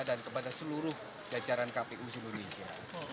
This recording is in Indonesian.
dan kepada seluruh jajaran kpu di indonesia